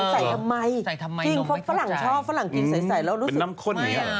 ใส่ทำไมฟ่าหลังชอบฟ่าหลังกินใส่แล้วรู้สึกเป็นน้ำค้นนี้เหรอ